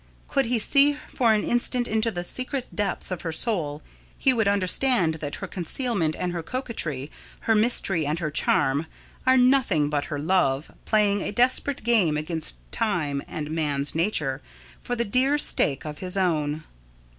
Could he see for an instant into the secret depths of her soul, he would understand that her concealment and her coquetry, her mystery and her charm, are nothing but her love, playing a desperate game against Time and man's nature, for the dear stake of his own.